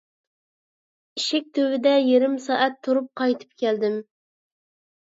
ئىشىك تۈۋىدە يېرىم سائەت تۇرۇپ قايتىپ كەلدىم.